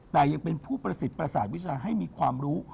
แต่ยังเป็นผู้ประสิทธิ์ประสาทวิชาให้มีความรู้